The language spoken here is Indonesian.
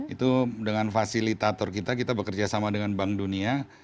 itu dengan fasilitator kita kita bekerja sama dengan bank dunia